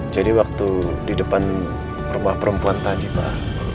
waktu di depan rumah perempuan tadi pak